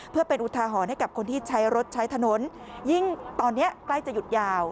เพื่อเป็นอุทาหรณ์ให้กับคนที่ใช้รถใช้ถนนยิ่งตอนนี้ใกล้จะหยุดยาว